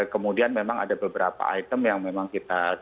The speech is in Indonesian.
kemudian memang ada beberapa item yang memang kita